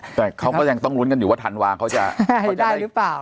แต่เขาก็ยังต้องลุ้นกันอยู่ว่าธันวาเขาจะให้ได้หรือเปล่า